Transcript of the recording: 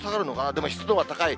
でも湿度が高い。